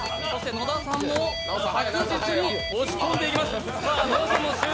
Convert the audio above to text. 野田さんも着実に押し込んでいきます。